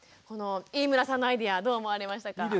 この飯村さんのアイデアどう思われましたか？